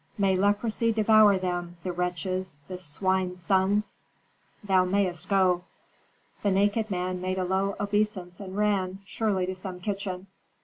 May leprosy devour them, the wretches, the swine sons!" "Thou mayst go." The naked man made a low obeisance and ran, surely to some kitchen.